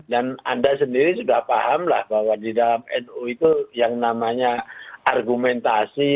dan anda sendiri sudah pahamlah bahwa di dalam nu itu yang namanya argumentasi